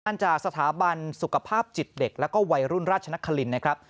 อันจ่าสถาบันสุขภาพจิตเด็กและวัยรุ่นราชนครินทร์